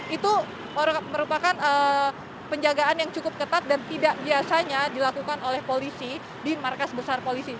itu merupakan penjagaan yang cukup ketat dan tidak biasanya dilakukan oleh polisi di markas besar polisi